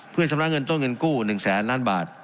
เพื่อชำระเงินต้นเงินกู้๑แสนล้านบาท